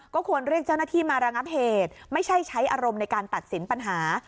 ก็ควรเรียกเจ้าหน้าที่มาระงับเหตุไม่ใช่ใช้อารมณ์ในการตัดสินปัญหา